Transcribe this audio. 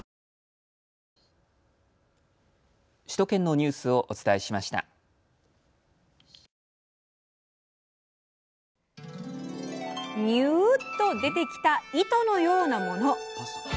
ニューっと出てきた糸のようなもの。